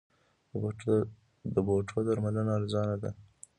د بوټو درملنه ارزانه ده؟